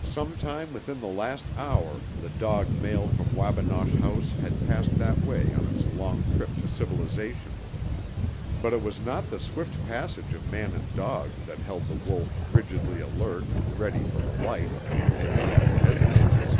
Sometime within the last hour the "dog mail" from Wabinosh House had passed that way on its long trip to civilization. But it was not the swift passage of man and dog that held the wolf rigidly alert, ready for flight and yet hesitating.